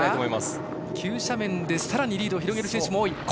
急斜面でさらにリードを広げる選手も多い。